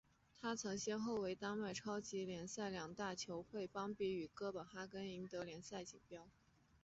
他曾先后为丹麦超级联赛两大球会邦比与哥本哈根赢得联赛锦标。